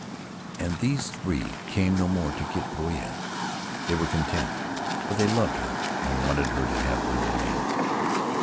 And these three came no more to get Poia; they were content, for they loved her and wanted her to have their name."